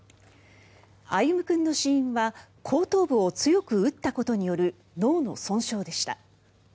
歩夢君の死因は後頭部を強く打ったことによる脳の損傷でした。